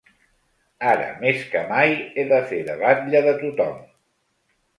Ara més que mai he de fer de batlle de tothom.